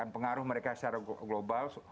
pengaruh mereka secara global